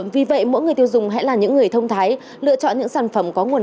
vì vậy mỗi người tiêu dùng hãy là những người thông thái lựa chọn những sản phẩm có nguồn gốc rõ ràng